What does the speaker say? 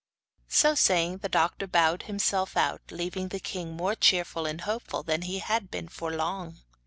So saying, the doctor bowed himself out, leaving the king more cheerful and hopeful than he had been for long.